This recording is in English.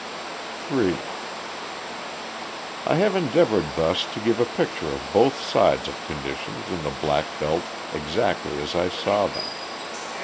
III I have endeavoured thus to give a picture of both sides of conditions in the black belt exactly as I saw them.